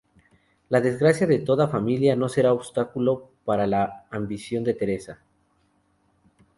La desgracia de toda una familia no será obstáculo para la ambición de Teresa.